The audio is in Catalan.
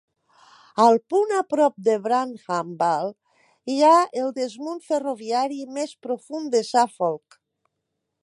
Al punt a prop de Brantham Bull hi ha el desmunt ferroviari més profund de Suffolk.